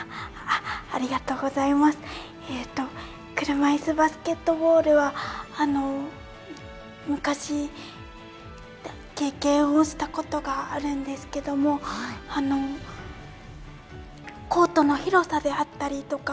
車いすバスケットボールは昔経験をしたことがあるんですけどコートの広さであったりとか